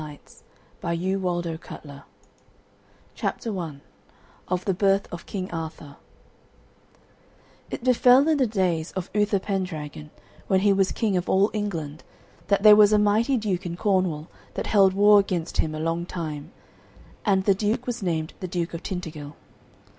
Stories of King Arthur CHAPTER I OF THE BIRTH OF KING ARTHUR It befell in the days of Uther Pendragon, when he was king of all England, that there was a mighty duke in Cornwall that held war against him a long time. And the duke was named the Duke of Tintagil.